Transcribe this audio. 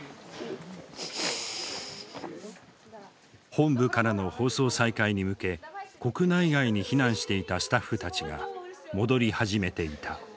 本部からの放送再開に向け国内外に避難していたスタッフたちが戻り始めていた。